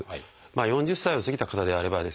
４０歳を過ぎた方であればですね